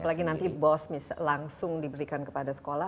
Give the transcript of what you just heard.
apalagi nanti bos langsung diberikan kepada sekolah